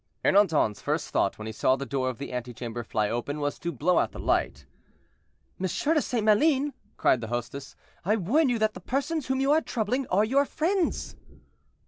Ernanton's first thought when he saw the door of the antechamber fly open was to blow out the light. "M. de St. Maline," cried the hostess, "I warn you that the persons whom you are troubling are your friends."